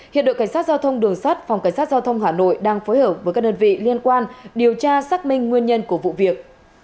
hiện đội cảnh sát giao thông đường sắt phòng cảnh sát giao thông hà nội đang phối hợp với các đơn vị liên quan điều tra xác minh nguyên nhân của vụ việc